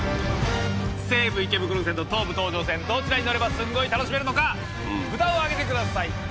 西武池袋線と東武東上線どちらに乗ればスンゴイ楽しめるのか札を上げてください。